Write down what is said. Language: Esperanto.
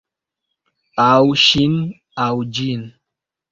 Aŭ... ŝin, aŭ ĝin.